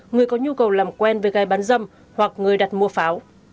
người có nhu cầu làm quen với gái bán dâm hoặc người đặt mua pháo